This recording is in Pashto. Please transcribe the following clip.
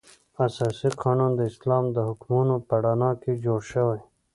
اساسي قانون د اسلام د حکمونو په رڼا کې جوړ شوی.